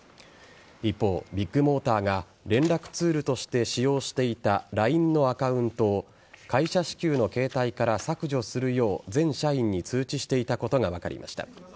一方、ビッグモーターが連絡ツールとして使用していたＬＩＮＥのアカウントを会社支給の携帯から削除するよう全社員に通知していたことが分かりました。